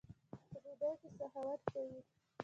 په ډوډۍ کښي سخاوت کوئ!